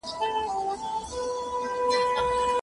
ولي موږ بايد د بشري حقونو درناوی وکړو؟